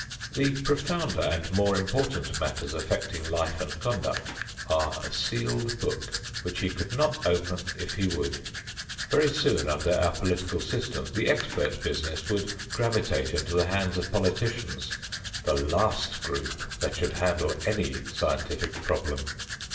The profounder and more important matters affecting life and conduct are a sealed book which he could not open if he would. Very soon under our political system the expert business would gravitate into the hands of politicians, the last group that should handle any scientific problem.